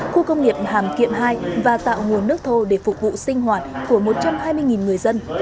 khu công nghiệp hàm kiệm hai và tạo nguồn nước thô để phục vụ sinh hoạt của một trăm hai mươi người dân